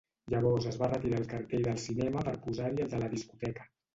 Llavors es va retirar el cartell del cinema per posar-hi el de la discoteca.